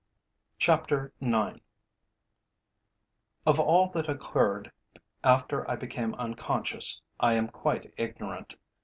CHAPTER IX Of all that occurred after I became unconscious I am quite ignorant.